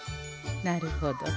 なるほど。